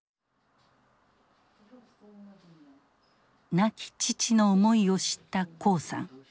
亡き父の思いを知った黄さん。